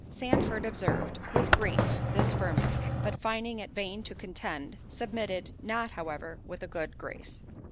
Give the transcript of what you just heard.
Sandford observed, with grief, this firmness; but finding it vain to contend, submitted—not, however, with a good grace.